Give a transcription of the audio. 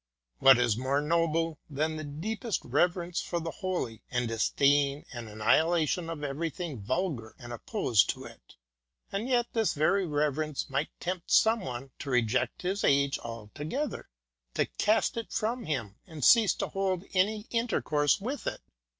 What is more noble than the deep est reverence for the holy, and disdain and annihilation of everything vulgar and opposed to it 1 and yet this very reverence might tempt some one to reject his age altogether, to cast it from him and cease to hold any intercourse with it.